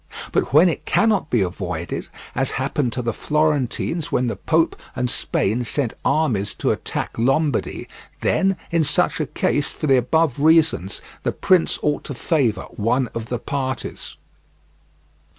But when it cannot be avoided, as happened to the Florentines when the Pope and Spain sent armies to attack Lombardy, then in such a case, for the above reasons, the prince ought to favour one of the parties.